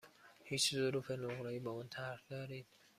هیچ ظروف نقره ای با آن طرح دارید؟